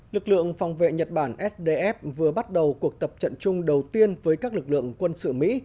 lực lượng phòng vệ nhật bản sdf vừa bắt đầu cuộc tập trận chung đầu tiên với các lực lượng quân sự mỹ